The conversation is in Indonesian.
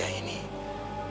apalagi ingin berniajar